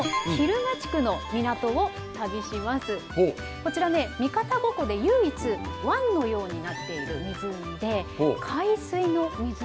こちらね三方五湖で唯一湾のようになっている湖で海水の湖なんですよ。